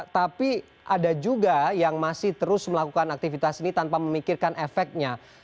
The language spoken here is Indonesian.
tapi ada juga yang masih terus melakukan aktivitas ini tanpa memikirkan efeknya